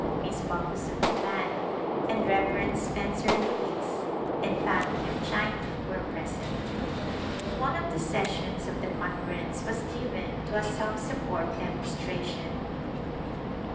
Miss Baucus of Japan, and Rev. Spencer Lewis and family of China, were present. One of the sessions of the Conference was given to a self support demonstration.